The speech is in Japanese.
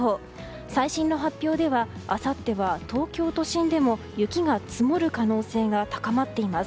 最新の発表では、あさっては東京都心でも雪が積もる可能性が高まっています。